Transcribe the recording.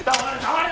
黙れ！